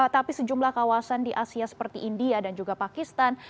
tapi sejumlah kawasan di asia seperti india dan juga pakistan